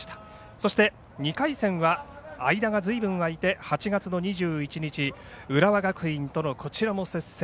そして、２回戦は間がずいぶん空いて８月の２１日浦和学院との、こちらも接戦。